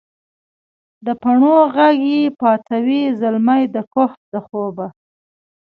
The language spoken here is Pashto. دپڼو ږغ یې پاڅوي زلمي د کهف دخوبه